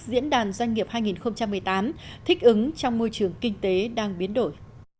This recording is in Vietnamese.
diễn đàn doanh nghiệp hai nghìn một mươi tám thích ứng trong môi trường kinh tế đang biến đổi